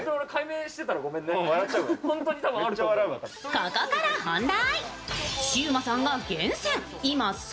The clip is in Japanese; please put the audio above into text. ここから本題。